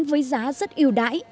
với giá rất yêu đáy